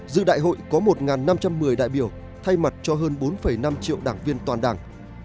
dự đại hội có một năm trăm một mươi đại biểu thay mặt cho hơn bốn năm triệu đảng viên toàn đảng